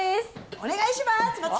お願いします。